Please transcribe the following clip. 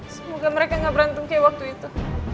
semoga mereka gak berantem kayak waktu itu